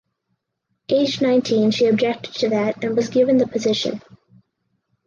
Aged nineteen she objected to that and was given the position.